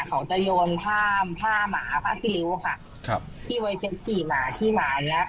เขาจะโยนผ้าหมาผ้าซี่ริ้วค่ะครับที่ไว้เช็ดกี่หมาขี้หมาเนี้ย